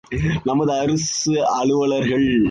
நமது அரசு அலுவலர்கள்!